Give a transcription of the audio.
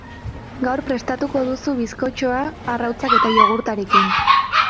Gaur prestatuko duzu bizkotxoa arrautzak eta jogurtarekin.